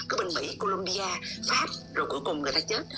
cứ bên mỹ colombia pháp rồi cuối cùng người ta chết